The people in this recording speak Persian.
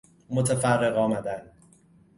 متفرق آمدن